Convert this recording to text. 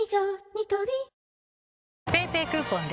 ニトリＰａｙＰａｙクーポンで！